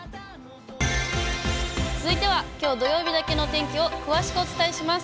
続いてはきょう土曜日だけのお天気を詳しくお伝えします。